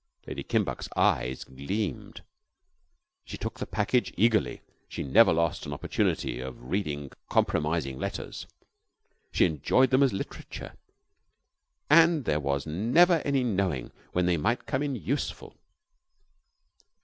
Lady Kimbuck's eyes gleamed. She took the package eagerly. She never lost an opportunity of reading compromising letters. She enjoyed them as literature, and there was never any knowing when they might come in useful.